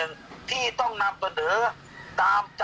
แม่ยังคงมั่นใจและก็มีความหวังในการทำงานของเจ้าหน้าที่ตำรวจค่ะ